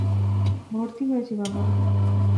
ভর্তি হয়েছি বাবা।